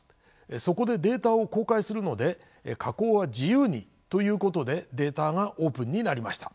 そこでデータを公開するので加工は自由にということでデータがオープンになりました。